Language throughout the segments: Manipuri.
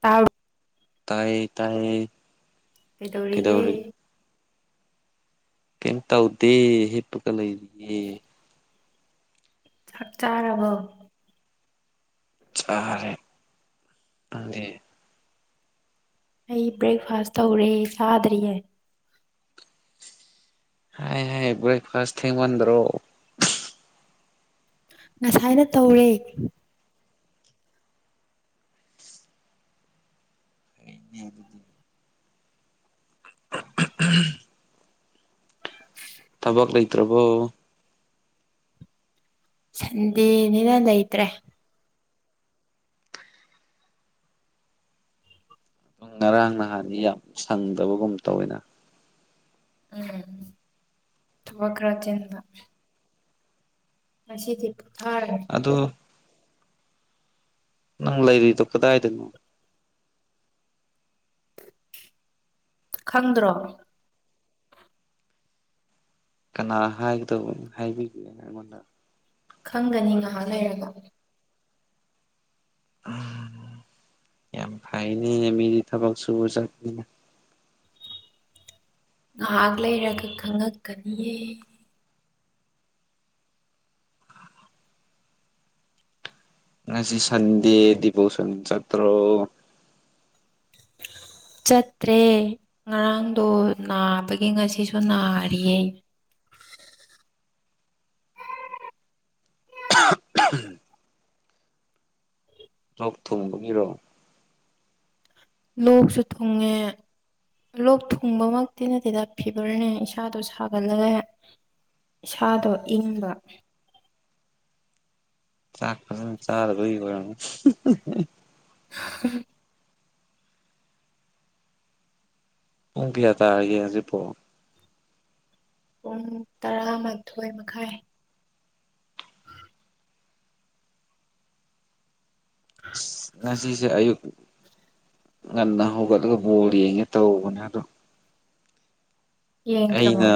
ꯇꯥ ꯇꯥꯏꯌꯦ ꯇꯥꯌꯦ ꯀꯩꯗꯧꯔꯤꯒꯦ ꯀꯩꯝ ꯇꯧꯗꯦ ꯍꯤꯞꯄꯒ ꯂꯩꯔꯤꯑꯦ ꯆꯥꯛ ꯆꯥꯔꯕꯣ ꯆꯥꯔꯦ ꯅꯪꯗꯤ ꯑꯩ ꯕ꯭ꯔꯦꯛꯐꯥꯁ ꯇꯧꯔꯤ ꯆꯥꯗ꯭ꯔꯤꯌꯦ ꯍꯥꯏ ꯍꯥꯏ ꯕ꯭ꯔꯦꯛꯐꯥꯁ ꯊꯦꯡꯉꯟꯗ꯭ꯔꯣ ꯉꯁꯥꯏꯅ ꯇꯧꯔꯦ [unintelligible] ꯎꯝ [unintelligible] ꯊꯕꯛ ꯂꯩꯇ꯭ꯔꯥꯕꯣ ꯁꯟꯗꯦꯅꯤꯅ ꯂꯩꯇ꯭ꯔꯦ ꯉꯔꯥꯡ ꯅꯍꯥꯟꯗꯤ ꯌꯥꯝ ꯁꯪꯗꯕꯒꯨꯝ ꯇꯧꯋꯦꯅꯦ ꯎꯝ ꯊꯕꯛ ꯈꯔ ꯆꯤꯟꯕ ꯉꯁꯤꯗꯤ ꯄꯣꯊꯥꯔꯦ ꯑꯗꯣ ꯅꯪ ꯂꯩꯔꯤꯗꯣ ꯀꯗꯥꯏꯗꯅꯣ ꯈꯪꯗ꯭ꯔꯣ ꯀꯅꯥ ꯍꯥꯏꯒꯗꯧꯕ ꯍꯥꯏꯕꯤꯒꯦꯅ ꯑꯩꯉꯣꯟꯗ ꯈꯪꯒꯅꯤ ꯉꯍꯥꯛ ꯂꯩꯔꯒ ꯌꯥꯝ ꯐꯥꯏꯅꯦ ꯃꯤꯗꯤ ꯊꯕꯛ ꯁꯨꯕ ꯆꯠꯄꯅꯤꯅ ꯉꯍꯥꯛ ꯂꯩꯔꯒ ꯈꯪꯉꯛꯀꯅꯤꯌꯦ ꯉꯁꯤ ꯁꯟꯗꯦ ꯗꯤꯕꯣꯁꯟ ꯆꯠꯇ꯭ꯔꯣ [inaudible] ꯆꯠꯇ꯭ꯔꯦ ꯉꯔꯥꯡꯗꯣ ꯅꯥꯕꯒꯤ ꯉꯁꯤꯁꯨ ꯅꯥꯔꯤꯌꯦ ꯂꯣꯛ ꯊꯨꯡꯕꯒꯤꯔꯣ ꯂꯣꯛꯁꯨ ꯊꯨꯡꯉꯦ ꯂꯣꯛ ꯊꯨꯡꯕꯃꯛꯇꯤ ꯅꯠꯇꯦꯗ ꯐꯤꯚꯔꯅꯦ ꯏꯁꯥꯗꯣ ꯁꯥꯒꯠꯂꯒꯅꯦ ꯏꯁꯥꯗꯣ ꯏꯪꯕ ꯆꯥꯛ ꯐꯖꯅ ꯆꯥꯗꯕꯒꯤ ꯑꯣꯏꯔꯝꯒ [inaudible] ꯄꯨꯡ ꯀꯌꯥ ꯇꯥꯔꯒꯦ ꯍꯧꯖꯤꯛꯄꯣ ꯄꯨꯡ ꯇꯔꯥꯃꯥꯊꯣꯏ ꯃꯈꯥꯏ ꯑꯁ ꯉꯁꯤꯁꯦ ꯑꯌꯨꯛ ꯉꯟꯅ ꯍꯧꯒꯠꯂꯒ ꯕꯣꯜ ꯌꯦꯡꯉꯦ ꯇꯧꯕꯅꯦ ꯑꯗꯣ ꯌꯦꯡꯗ꯭ꯔꯕꯣ ꯑꯩꯅ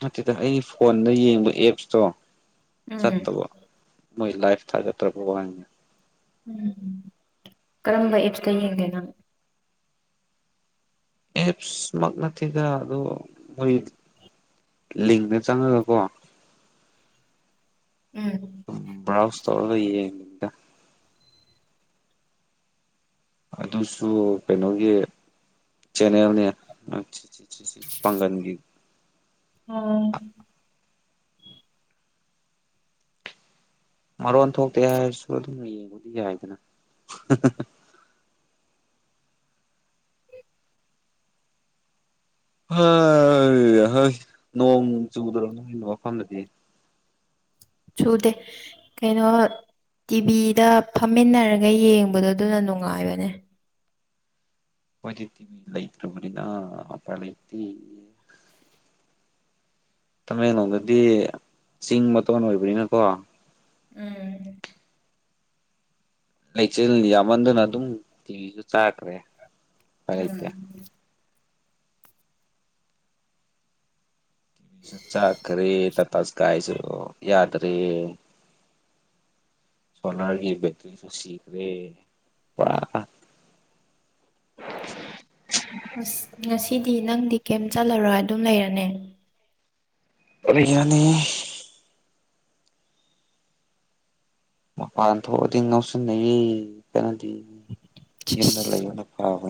ꯅꯠꯇꯦꯗ ꯑꯩ ꯐꯣꯟꯗ ꯌꯦꯡꯕ ꯑꯦꯞꯁꯇꯣ ꯎꯝ ꯆꯠꯇꯕꯣ ꯃꯣꯏ ꯂꯥꯏꯐ ꯊꯥꯒꯠꯇ꯭ꯔꯋꯥꯅꯤꯅ ꯎꯝ ꯀꯔꯝꯕ ꯑꯦꯞꯁꯇ ꯌꯦꯡꯒꯦ ꯅꯪ ꯑꯦꯞꯁꯃꯛ ꯅꯠꯇꯦ ꯑꯗꯣ ꯃꯣꯏ ꯂꯤꯡꯗ ꯆꯪꯉꯒꯀꯣ ꯎꯝ ꯕ꯭ꯔꯥꯎꯁ ꯇꯧꯔꯒ ꯌꯦꯡ ꯑꯗꯨꯁꯨ ꯀꯩꯅꯣꯒꯤ ꯆꯦꯅꯦꯜꯅꯦ ꯄꯥꯡꯒꯟꯒꯤ ꯎꯝ ꯃꯔꯣꯟ ꯊꯣꯛꯇꯦ ꯍꯥꯏꯔꯁꯨ ꯑꯗꯨꯝ ꯌꯦꯡꯕꯗꯤ ꯌꯥꯏꯗꯅ ꯍꯣꯏ ꯍꯣꯏ ꯅꯣꯡ ꯆꯨꯗ꯭ꯔꯣ ꯅꯣꯏ ꯃꯐꯝꯗꯗꯤ ꯆꯨꯗꯦ ꯀꯩꯅꯣ ꯇꯤꯚꯤꯗ ꯐꯝꯃꯤꯟꯅꯔꯒ ꯌꯦꯡꯕꯗꯣ ꯑꯗꯨꯅ ꯅꯨꯡꯉꯥꯏꯕꯅꯦ ꯍꯣꯏꯗꯤ ꯇꯤ ꯚꯤ ꯂꯩꯇ꯭ꯔꯕꯅꯤꯅ ꯑꯣꯄꯥꯏ ꯂꯩꯇꯦ ꯇꯃꯦꯡꯂꯣꯡꯗꯗꯤ ꯆꯤꯡ ꯃꯇꯣꯟ ꯑꯣꯏꯕꯅꯤꯅꯀꯣ ꯎꯝ ꯂꯩꯆꯤꯜ ꯌꯥꯝꯃꯟꯗꯅ ꯑꯗꯨꯝ ꯇꯤꯚꯤꯖꯨ ꯆꯥꯛꯈ꯭ꯔꯦ ꯎꯝ ꯁꯨ ꯆꯥꯛꯈꯔꯦ ꯇꯇꯥ ꯁ꯭ꯀꯥꯏꯁꯨ ꯌꯥꯗ꯭ꯔꯦ ꯁꯣꯂꯥꯔꯒꯤ ꯕꯦꯇ꯭ꯔꯤꯁꯨ ꯁꯤꯈ꯭ꯔꯦ ꯄꯨꯔꯥ ꯑꯁ ꯉꯁꯤꯗꯤ ꯅꯪꯗꯤ ꯀꯩꯝ ꯆꯠꯂꯔꯣꯏ ꯑꯗꯨꯝ ꯂꯩꯔꯅꯦ ꯔꯨꯏꯌꯥꯅꯤ ꯃꯄꯥꯟ ꯊꯣꯛꯑꯗꯤ ꯉꯧꯁꯟꯅꯩꯌꯦ ꯀꯥꯟꯗꯤ ꯌꯨꯝꯗ ꯂꯩꯕꯅ ꯐꯥꯕ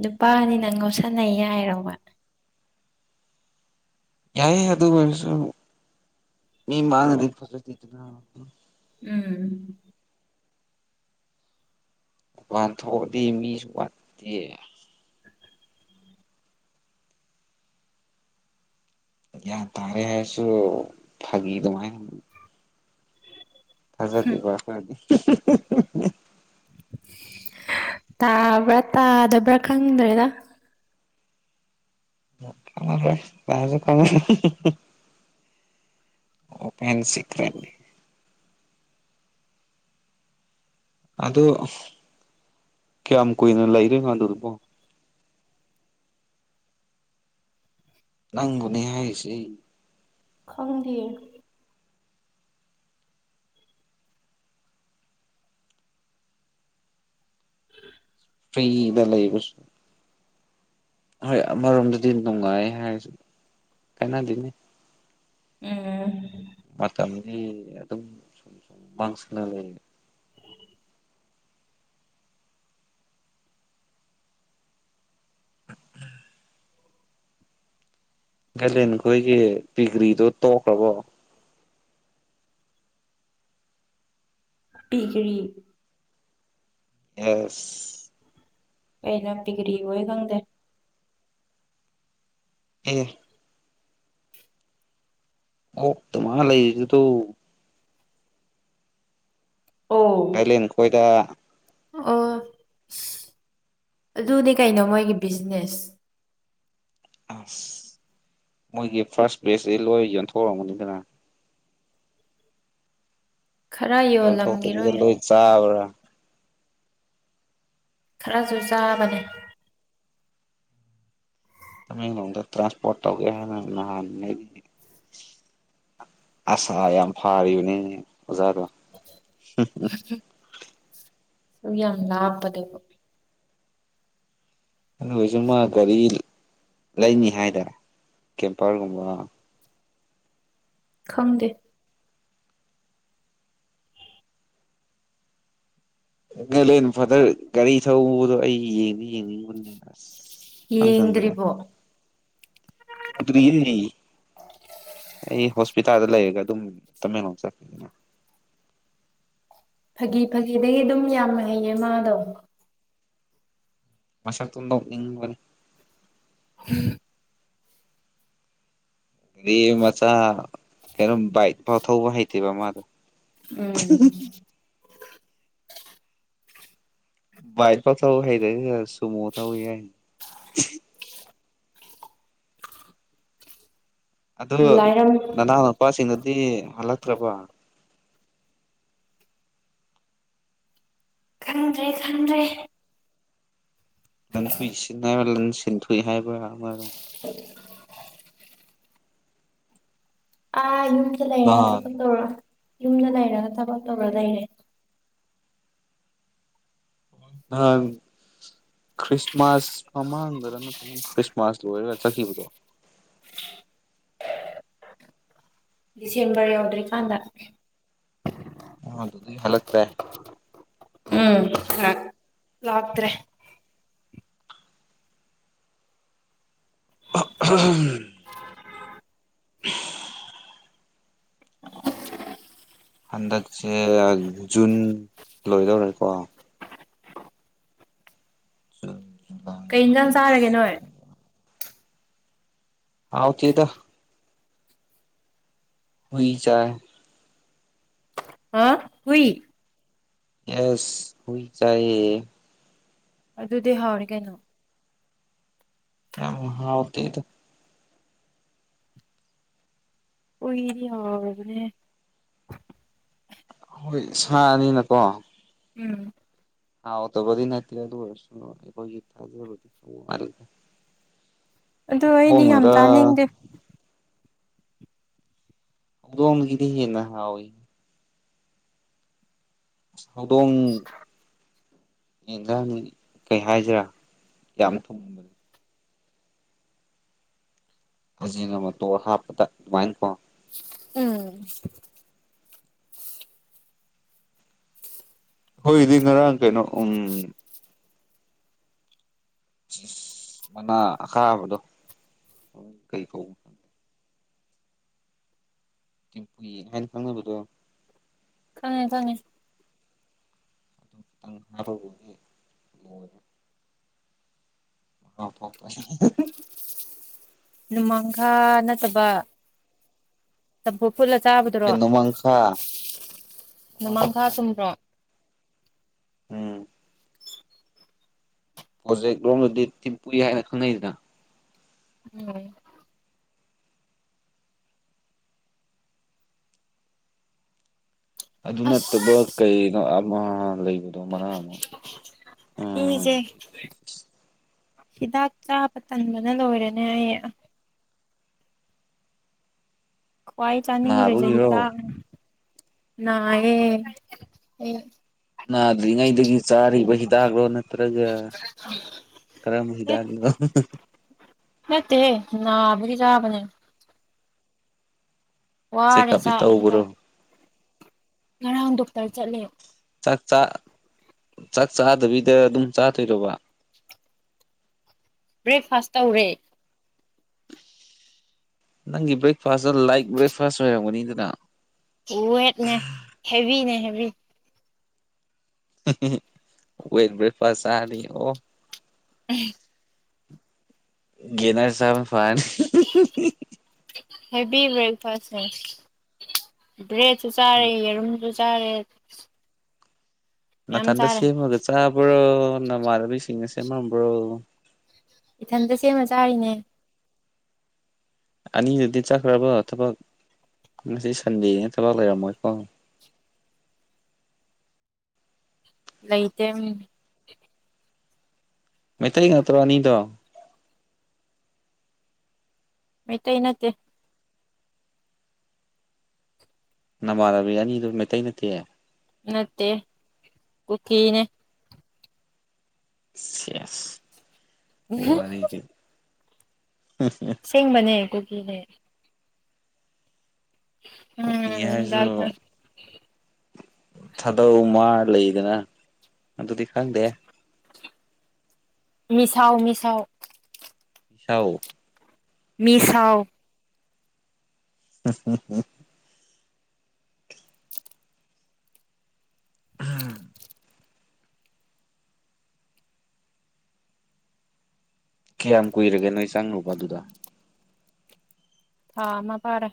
ꯅꯨꯄꯥꯅꯤꯅ ꯉꯥꯎꯁꯟꯅꯩ ꯌꯥꯏꯔꯣꯕ ꯌꯥꯏꯌꯦ ꯑꯗꯨꯑꯣꯏꯔꯁꯨ ꯃꯤ ꯃꯥꯡꯗꯗꯤ ꯐꯥꯖꯗꯦꯗꯅ ꯎꯝ ꯋꯥꯥꯟ ꯊꯣꯛꯑꯗꯤ ꯃꯤꯁꯨ ꯋꯥꯠꯇꯦ ꯒꯌꯥꯟ ꯇꯥꯔꯦ ꯍꯥꯏꯁꯨ ꯐꯒꯤꯗꯨꯃꯥꯏ [unintelligible] ꯇꯥꯕ꯭ꯔꯥ ꯇꯥꯗꯕ꯭ꯔꯥ ꯈꯪꯗ꯭ꯔꯦꯗ [unintelligible] ꯑꯣ ꯐꯦꯟ ꯁꯤꯀꯔꯦꯅꯤ ꯑꯗꯣ ꯀꯌꯥꯝ ꯀꯨꯏꯅ ꯂꯩꯗꯨꯏꯅꯣ ꯑꯗꯨꯗꯨꯕꯣ ꯅꯪꯕꯨꯅꯦ ꯍꯥꯏꯁꯦ ꯈꯪꯗꯤꯌꯦ ꯐꯩꯗ ꯂꯩꯕꯁ ꯍꯣꯏ ꯑꯃꯔꯣꯝꯗꯗꯤ ꯅꯨꯡꯉꯥꯏ ꯍꯥꯏꯔꯁꯨ ꯀꯥꯏꯅꯗꯅꯤ ꯎꯝ ꯃꯇꯝꯗꯤ ꯑꯦ ꯑꯗꯨꯝ ꯃꯥꯡꯁꯤꯜꯂꯛꯑꯦꯅꯦ ꯀꯥꯏꯂꯦꯟꯈꯣꯏꯒꯤ ꯗꯤꯒ꯭ꯔꯤꯗꯣ ꯇꯣꯛꯈ꯭ꯔꯕꯣ ꯗꯤꯒꯔꯤ ꯑꯁ ꯀꯩꯅ ꯄꯤꯒ꯭ꯔꯤꯕꯨ ꯑꯩ ꯈꯪꯗꯦ ꯑꯦ [unintelligible] ꯂꯩꯕꯗꯣ ꯑꯣ ꯊꯥꯏꯂꯦꯟ ꯀꯣꯏꯗ ꯑꯣ ꯑꯁ ꯑꯗꯨꯅꯦ ꯀꯩꯅꯣ ꯃꯣꯏꯒꯤ ꯕꯤꯖꯤꯅꯦꯁ ꯑꯁ ꯃꯣꯏꯒꯤ ꯐꯥꯔꯁ ꯕꯦꯖꯁꯤ ꯂꯣꯏ ꯌꯣꯟꯊꯣꯛꯔꯝꯒꯅꯤꯗꯅ ꯈꯔ ꯌꯣꯟ ꯊꯣꯛꯇꯕꯤꯗ ꯌꯣꯜꯂꯝꯒꯤꯔꯣꯏ ꯂꯣꯏ ꯆꯥꯕ꯭ꯔꯥ ꯈꯔꯁꯨ ꯆꯥꯕꯅꯦ ꯇꯃꯦꯡꯂꯣꯡꯗ ꯇ꯭ꯔꯥꯟꯁꯄꯣꯔꯠ ꯇꯧꯒꯦ ꯍꯥꯏꯗꯅ ꯅꯍꯥꯟ ꯂꯩꯔꯤ ꯑꯁꯥ ꯌꯥꯝ ꯐꯔꯤꯕꯅꯤ ꯑꯣꯖꯥꯗꯣ ꯁꯨ ꯌꯥꯝ ꯂꯥꯞꯄꯅꯦꯕꯣ ꯑꯗꯨꯑꯣꯏꯁꯨ ꯃꯥ ꯒꯥꯔꯤ ꯂꯩꯅꯤ ꯍꯥꯏꯗ ꯀꯦꯝꯄꯔꯒꯨꯝꯕ ꯈꯪꯗꯦ ꯂꯩꯅ ꯐꯗꯔ ꯒꯥꯔꯤ ꯊꯧꯕꯗꯣ ꯑꯩ ꯌꯦꯡꯗꯤ ꯌꯦꯡꯅꯤꯡꯕꯅꯦ ꯑꯁ ꯁꯨꯡꯆꯪ ꯌꯦꯡꯗ꯭ꯔꯤꯕꯣ ꯌꯦꯡꯗ꯭ꯔꯤꯌꯦ ꯑꯩ ꯍꯣꯁꯄꯤꯇꯥꯜꯗ ꯂꯩꯔꯒ ꯑꯗꯨꯝ ꯇꯃꯦꯡꯂꯣꯡ ꯆꯠꯄꯅꯤꯅ ꯐꯥꯒꯤ ꯐꯥꯒꯤꯗꯒꯤ ꯑꯗꯨꯝ ꯌꯥꯝꯅ ꯍꯩꯌꯦ ꯃꯥꯗꯣ ꯃꯁꯛꯇꯣ ꯅꯣꯛꯅꯤꯡ ꯎꯝ ꯃꯤ ꯃꯆꯥ ꯀꯩꯅꯣꯝ ꯕꯥꯏꯛ ꯐꯥꯎ ꯊꯧꯕ ꯍꯩꯇꯦꯕ ꯃꯥꯗꯣ ꯎꯝ ꯕꯥꯏꯛ ꯐꯥꯎ ꯊꯥꯎ ꯍꯩꯇꯕ ꯃꯤꯅ ꯁꯨꯃꯣ ꯊꯧꯏ ꯍꯥꯏ ꯑꯗꯨ ꯂꯥꯏꯔꯝ ꯅꯅꯥꯎꯅꯨꯄꯥꯁꯤꯡꯗꯗꯤ ꯍꯜꯂꯛꯇ꯭ꯔꯕꯣ ꯗꯨꯝ ꯂꯩ [unintelligible] ꯍꯥꯏꯕ ꯑꯥ ꯌꯨꯝꯗ ꯂꯩꯔ ꯅꯍꯥꯟ ꯊꯕꯛ ꯇꯧꯔ ꯌꯨꯝꯗ ꯂꯩꯔꯒ ꯊꯕꯛ ꯇꯧꯔ ꯂꯩꯔꯦ ꯍꯥꯡ ꯈ꯭ꯔꯤꯁꯃꯥꯁ ꯃꯃꯥꯡꯗꯅ ꯅꯠꯇꯔꯅ ꯈ꯭ꯔꯤꯁꯃꯥꯁ ꯂꯣꯏꯔꯒ ꯆꯠꯈꯤꯕꯗꯣ ꯗꯤꯁꯦꯟꯕꯔ ꯌꯎꯗ꯭ꯔꯤ ꯀꯥꯟꯗ ꯅꯍꯟꯗꯒꯤ ꯍꯂꯛꯇ꯭ꯔꯦ ꯎꯝ ꯂꯥꯛ ꯂꯥꯛꯇ꯭ꯔꯦ꯫ [unintelligible] [unintelligible] ꯍꯟꯗꯛꯁꯦ ꯖꯨꯟ ꯂꯣꯏꯗꯧꯔꯦꯀꯣ꯫ ꯖꯨꯟ꯫ ꯖꯨꯂꯥꯏ ꯀꯩ ꯏꯟꯖꯥꯡ ꯑꯥꯒꯁ ꯆꯥꯔꯒꯦ ꯅꯣꯏ꯫ ꯁꯦꯞꯇꯦꯝꯕꯔ ꯍꯥꯎꯇꯦꯗ꯫ ꯍꯨꯏ ꯆꯥꯏ꯫ ꯑ ꯍꯨꯏ꯫ ꯌꯦꯁ ꯍꯨꯏ ꯆꯥꯏꯌꯦ꯫ ꯑꯗꯨꯗꯤ ꯍꯥꯎꯔꯦ ꯀꯩꯅꯣ꯫ ꯌꯝ ꯍꯥꯎ ꯇꯦꯗ꯫ ꯎꯏꯗꯤ ꯍꯥꯎꯕꯅꯦ꯫ ꯍꯣꯏ ꯁꯥꯅꯤꯅꯀꯣ꯫ ꯎꯝ꯫ ꯍꯥꯎꯇꯕꯗꯤ ꯅꯠꯇꯦ ꯑꯗꯨ ꯑꯣꯏꯔꯁꯨ ꯑꯩꯈꯣꯏꯒꯤ [unintelligible] ꯈꯨ ꯑꯗꯨ ꯑꯩꯗꯤ ꯌꯥꯝ ꯊꯣꯡꯅꯔ꯫ ꯆꯥꯅꯤꯡꯗꯦ ꯍꯧꯗꯣꯡꯒꯤꯗꯤ ꯍꯦꯟꯅ ꯍꯥꯎꯋꯦ꯫ ꯍꯧꯗꯣꯡ꯫ ꯌꯦꯡꯁꯥꯡ ꯀꯩ ꯍꯥꯏꯁꯤꯔꯥ ꯌꯥꯝ ꯊꯨꯝꯕꯗꯣ꯫ ꯐꯖꯤꯅ ꯃꯇꯣꯔ ꯍꯥꯞꯄꯗ ꯑꯗꯨꯃꯥꯏꯅ ꯀꯣ꯫ ꯎꯝ꯫ ꯑꯈꯣꯏꯒꯤꯗꯤ ꯉꯔꯥꯡ ꯀꯩꯅꯣ ꯎꯝ꯫ ꯑꯁ ꯃꯅꯥ ꯑꯀꯥꯕꯗꯣ ꯀꯩ ꯀꯧꯕꯅꯣ ꯈꯥꯡ ꯇꯤꯕꯨꯏ ꯍꯥꯏꯅ ꯈꯪꯅꯕꯗꯣ꯫ ꯈꯪꯉꯦ ꯈꯪꯉꯦ꯫ [unintelligible] ꯂꯣꯏꯔꯦ [unintelligible] ꯅꯨꯃꯥꯡꯈꯥ ꯅꯠꯇꯕ꯫ ꯆꯝꯐꯨꯠ ꯐꯨꯠꯂ ꯍꯣꯏ ꯆꯥꯕꯗꯔꯣ ꯅꯣꯃꯥꯡꯈꯥ ꯅꯣꯃꯥꯡꯈꯥ ꯅꯣꯃꯥꯡꯈꯥꯅꯤ ꯆꯨꯝꯕ꯭ꯔꯣ꯫ ꯍꯥꯏ ꯎꯝ꯫ ꯄ꯭ꯔꯣꯖꯦꯛ ꯂꯣꯝꯗꯗꯤ ꯊꯤꯝ ꯄꯨꯨꯏ ꯍꯥꯏꯅ ꯈꯪꯅꯩꯗꯅ꯫ ꯎꯝ꯫ ꯑꯗꯨ ꯑꯁ ꯅꯠꯇꯕ ꯀꯩꯅꯣ ꯑꯃ ꯂꯩꯕꯗꯣ ꯃꯅꯥ ꯑꯃ꯫ ꯎꯝ ꯏꯁꯦ ꯍꯤꯗꯥꯛ ꯆꯥꯕ ꯇꯟꯕꯅ ꯂꯣꯏꯔꯦꯅꯦ ꯑꯩ꯫ ꯀ꯭ꯋꯥꯏ ꯆꯥꯅꯤꯡ ꯗꯔꯤꯁꯦ ꯅꯥꯕꯒꯤꯔꯣ ꯍꯤꯗꯥꯛꯅꯦ ꯅꯥꯏꯌꯦ ꯑꯩ꯫ ꯅꯥꯗ꯭ꯔꯤꯉꯩꯗꯒꯤ ꯆꯥꯔꯤꯕ ꯍꯤꯗꯥꯛꯂꯣ ꯅꯠꯇ꯭ꯔꯒ꯫ ꯀꯔꯝꯕ ꯍꯤꯗꯥꯛꯅꯣ꯫ ꯅꯠꯇꯦꯍꯦ ꯅꯥꯕꯒꯤ ꯆꯥꯕꯅꯦ꯫ ꯋꯥꯔꯦ ꯆꯦꯀꯞꯇꯤ ꯆꯥꯛ ꯇꯧꯕꯔꯣ꯫ ꯍꯤꯗꯥꯛ ꯉꯔꯥꯡ ꯗꯣꯛꯇꯔ ꯆꯠꯂꯦ꯫ ꯆꯥꯛ ꯆꯥ ꯆꯥꯛ ꯆꯥꯗꯕꯤꯗ ꯑꯗꯨꯝ ꯆꯥꯗꯣꯏꯔꯣꯕ꯫ [inaudible] ꯕ꯭ꯔꯦꯛꯐꯥꯁ ꯇꯧꯔꯦ꯫ ꯅꯪꯒꯤ ꯕ꯭ꯔꯦꯛꯐꯥꯁꯇꯣ ꯂꯥꯏꯠ ꯕ꯭ꯔꯦꯛꯐꯥꯁ ꯑꯣꯏꯔꯝꯒꯅꯤꯗꯅ꯫ [unintelligible] ꯍꯦꯚꯤꯅꯦ ꯍꯦꯚꯤ ꯑꯩꯈꯣꯏ ꯕ꯭ꯔꯦꯛꯐꯥꯁ ꯆꯥꯔꯤ ꯑꯣ [unintelligible] ꯒꯦꯅꯔ ꯆꯥꯕꯅ ꯐꯥꯅꯤ ꯍꯦꯕꯤ ꯕ꯭ꯔꯦꯛꯐꯥꯁꯁꯦ ꯕ꯭ꯔꯦꯗꯁꯨ ꯆꯥꯔꯦ ꯌꯦꯔꯨꯝꯁꯨ ꯆꯥꯔꯦ ꯌꯥꯝ ꯅꯊꯟꯇ ꯆꯥꯔꯦ ꯁꯦꯝꯃꯒ ꯆꯥꯕ꯭ꯔꯣ ꯅꯃꯥꯟꯅꯕꯤꯁꯤꯡꯅ ꯁꯦꯝꯃꯝꯕ꯭ꯔꯣ ꯏꯊꯟꯇ ꯁꯦꯝꯃ ꯆꯥꯔꯤꯅꯦ ꯑꯅꯤꯗꯨꯗꯤ ꯆꯠꯈ꯭ꯔꯥꯕ ꯊꯕꯛ ꯉꯁꯤ ꯁꯟꯗꯦꯅꯦꯅ ꯊꯕꯛ ꯂꯩꯔꯝꯃꯣꯏꯀꯣ ꯂꯩꯇꯦ ꯎꯝ ꯃꯩꯇꯩ ꯉꯥꯛꯇ꯭ꯔꯣ ꯑꯅꯤꯗꯣ ꯃꯩꯇꯩ ꯅꯠꯇꯦ ꯅꯃꯥꯟꯅꯕꯤ ꯑꯅꯤꯗꯨ ꯃꯩꯇꯩ ꯅꯠꯇꯦꯌꯦ ꯅꯠꯇꯦ ꯀꯨꯀꯤꯅꯦ ꯁꯤꯌꯦꯁ ꯋꯥꯔꯤꯗꯤ ꯑꯁꯦꯡꯕꯅꯦ ꯀꯨꯀꯤꯅꯦ ꯀꯨꯀꯤꯡ ꯎꯝ ꯍꯥꯏꯔꯖꯨ ꯍꯤꯗꯥꯛ ꯊꯥꯗꯧ ꯃꯥ ꯂꯩꯌꯦꯗꯅ ꯑꯗꯨꯗꯤ ꯈꯪꯗꯦ ꯃꯤꯁꯥꯎ ꯃꯤꯁꯥꯎ ꯃꯤꯁꯥꯎ ꯃꯤꯁꯥꯎ [unintelligible] ꯎꯝ ꯀꯌꯥꯝ ꯀꯨꯏꯔꯒꯦ ꯅꯣꯏ ꯆꯪꯔꯨꯕ ꯑꯗꯨꯗꯥ ꯊꯥ ꯃꯥ ꯐꯥꯔꯦ